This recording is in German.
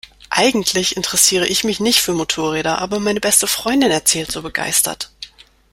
Eigentlich interessiere ich mich nicht für Motorräder, aber meine beste Freundin erzählt so begeistert.